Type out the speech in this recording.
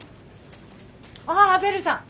あベルさん！